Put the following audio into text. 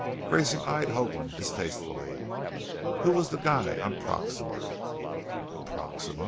Grayson eyed Hoagland distastefully. "Who was the guy on Proxima?" "Proxima?"